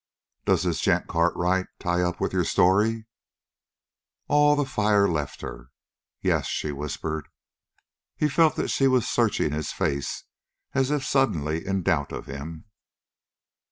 "Does this gent Cartwright tie up with your story?" All the fire left her. "Yes," she whispered. He felt that she was searching his face, as if suddenly in doubt of him.